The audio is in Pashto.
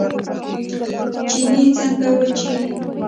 چينې څنګه وچیږي؟